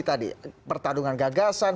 tadi pertarungan gagasan